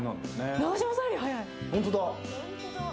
永島さんより速い！